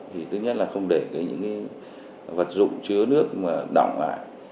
thì thứ nhất là không để những vật dụng chứa nước mà động lại